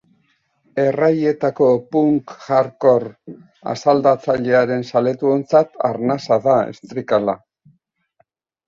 Erraietako punk-hardcore asaldatzailearen zaletuontzat arnasa da Estricalla.